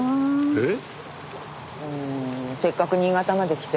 えっ！？